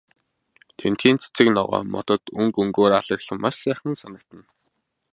Тэндхийн цэцэг ногоо, модод өнгө өнгөөр алаглан маш сайхан санагдана.